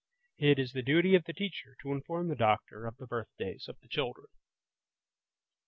It is the duty of the teacher to inform the doctor of the birthdays of the children.